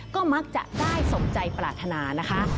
ก็มักจะได้สมใจปรารถนานะคะ